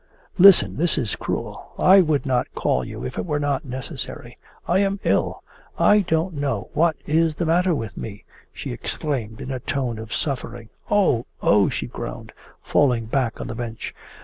'Listen! This is cruel. I would not call you if it were not necessary. I am ill. I don't know what is the matter with me!' she exclaimed in a tone of suffering. 'Oh! Oh!' she groaned, falling back on the bench.